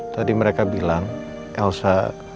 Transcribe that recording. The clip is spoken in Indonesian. tadi mereka bilang elsa